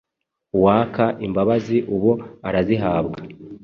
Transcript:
Uwaka imbabazi ubu arazihabwa